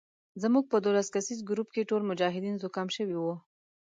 زموږ په دولس کسیز ګروپ کې ټول مجاهدین زکام شوي وو.